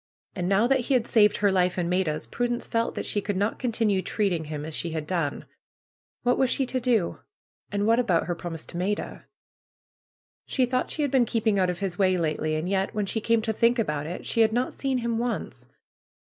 And now that he had saved her life and Maida's, Prudence felt that she could not continue treating him as she had done. What was she to do? And what about her promise to Maida? She thought she had been keeping out of his way lately. And yet, when she came to think about it she had not seen him once.